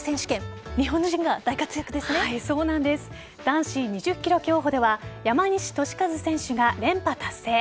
男子２０ｋｍ競歩では山西利和選手が連覇達成。